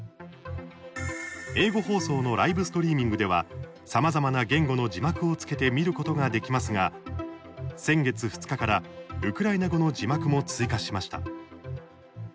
英語放送のライブストリーミングではさまざまな言語の字幕を付けて見ることができますが先月２日からウクライナ語の字幕も追加しました。